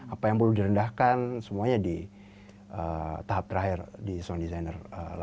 apa yang perlu direndahkan semuanya di tahap terakhir di sound designer